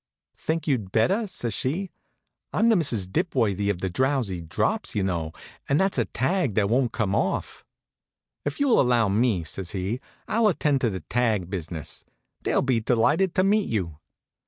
"Think you'd better?" says she. "I'm the Mrs. Dipworthy of the 'Drowsy Drops,' you know, and that's a tag that won't come off." "If you'll allow me," says he, "I'll attend to the tag business. They'll be delighted to meet you."